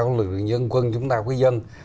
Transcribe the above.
là lực lượng dân quân chúng ta là quốc dân